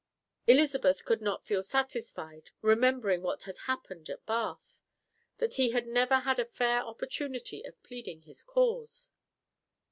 Elizabeth could not feel satisfied, remembering what had happened at Bath, that he had ever had a fair opportunity of pleading his cause.